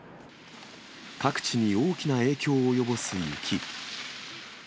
各地に大きな影響を及ぼす雪。